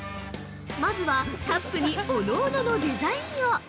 まずは、カップにおのおののデザインを。